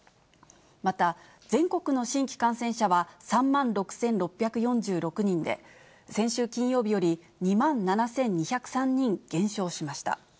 また、全国の新規感染者は３万６６４６人で、先週金曜日より２万７２０３人減少しました。